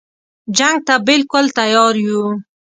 جنګ ته بالکل تیار یو.